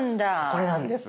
これなんです。